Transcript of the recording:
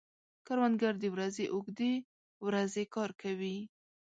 کروندګر د ورځې اوږدې ورځې کار کوي